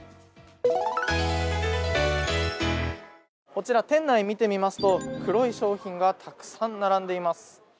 こちら店内見てみますと黒い商品がたくさん並んでいます。